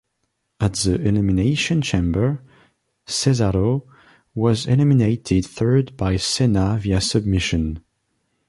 At the Elimination Chamber, Cesaro was eliminated third by Cena via submission.